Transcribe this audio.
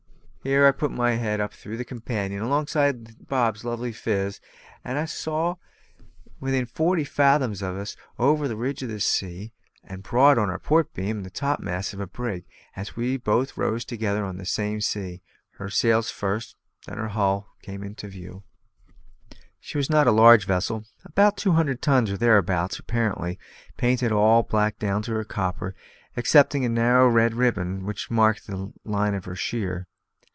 Here I put my head up through the companion, alongside of Bob's lovely phiz, and saw within forty fathoms of us, over the ridge of a sea, and broad on our port beam, the topmast heads of a brig. As we both rose together on the same sea, her sails first, and then her hull, came into view. She was not a large vessel; about two hundred tons or thereabouts, apparently; painted all black down to her copper, excepting a narrow red ribbon which marked the line of her sheer.